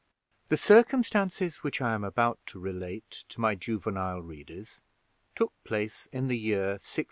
The circumstances which I am about to relate to my juvenile readers took place in the year 1647.